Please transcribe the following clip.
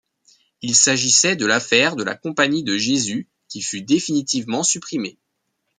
Il s'agissait de l'affaire de la Compagnie de Jésus qui fut définitivement supprimée.